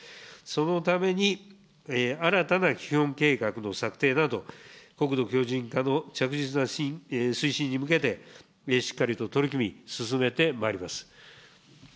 そのために新たな基本計画の策定など、国土強じん化の着実な推進に向けて、しっかりと取り組み、進めてまいります。